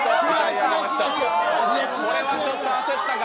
これはちょっと焦ったか。